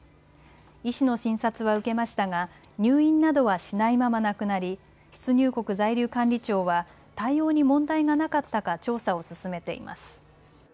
医師の診察は受けましたが入院などはしないまま亡くなり出入国在留管理庁は対応に問題がなかったか調査を進めています。